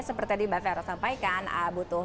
seperti yang mbak fero sampaikan butuh